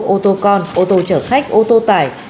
ô tô con ô tô chở khách ô tô tải